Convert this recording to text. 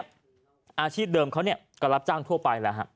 อาชีพเดิมเขาเนี่ยก็รับจ้างทั่วไปแหละค่ะ